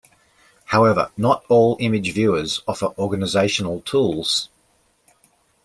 However, not all image viewers offer organizational tools.